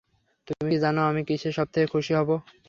তুমি কি জানো আমি কীসে সবথেকে খুশি হব?